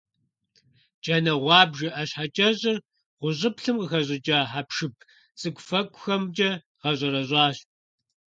Джанэ гъуабжэ ӀэщхьэкӀэщӀыр гъущӀыплъым къыхэщӀыкӀа хьэпшып цӀыкӀуфэкӀухэмкӀэ гъэщӀэрэщӀащ.